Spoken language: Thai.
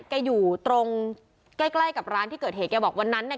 แกอยู่ตรงใกล้ใกล้กับร้านที่เกิดเหตุแกบอกวันนั้นเนี่ย